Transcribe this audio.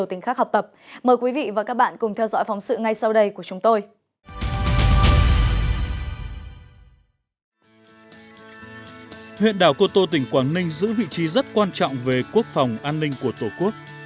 tỉnh quảng ninh giữ vị trí rất quan trọng về quốc phòng an ninh của tổ quốc